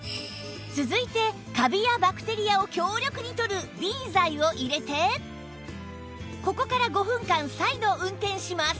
続いてカビやバクテリアを強力に取る Ｂ 剤を入れてここから５分間再度運転します